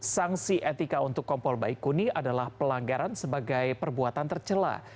sanksi etika untuk kompol baikuni adalah pelanggaran sebagai perbuatan tercelah